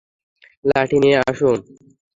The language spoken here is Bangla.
লাঠি নিয়ে আসুন।